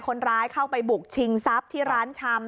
คนร้ายเข้าไปบุกชิงทรัพย์ที่ร้านชำ